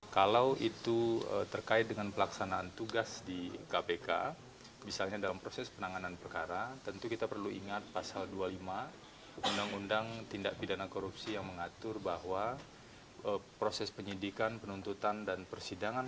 kalau itu terkait dengan pelaksanaan tugas di kpk misalnya dalam proses penanganan perkara tentu kita perlu ingat pasal dua puluh lima undang undang tindak pidana korupsi yang mengatur bahwa proses penyidikan penuntutan dan persidangan